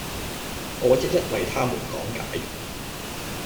我一一為他們講解